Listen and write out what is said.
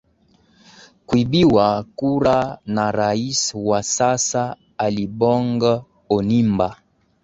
kuibiwa kura na rais wa sasa alibong onimba